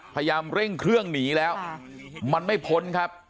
พยายามเร่งเครื่องหนีแล้วมันไม่พ้นครับ